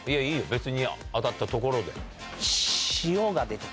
別に当たったところで。